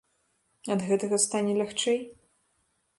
Ад гэтага стане лягчэй?